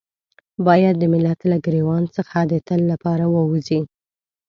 بايد د ملت له ګرېوان څخه د تل لپاره ووځي.